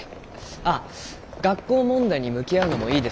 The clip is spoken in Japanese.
ああ学校問題に向き合うのもいいですけど家庭もね。